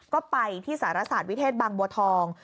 ก็ไปที่สารสารวิเทศบังบังบัวทอง